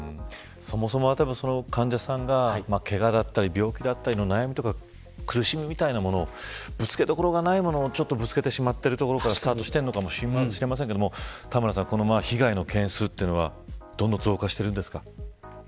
そもそも患者さんがけがや病気だったりの悩みとか苦しみみたいなものぶつけどころがないものをぶつけてしまってるところがあるのかもしれませんけど被害の件数というのはどんどん増加しているんですか。